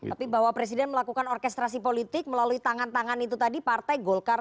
tapi bahwa presiden melakukan orkestrasi politik melalui tangan tangan itu tadi partai golkar